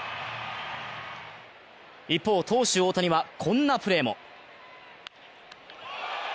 一方、投手・大谷はこんなプレーも。